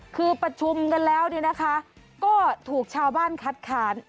คือประชุมกันแล้วเนี่ยนะคะก็ถูกชาวบ้านคัดค้าน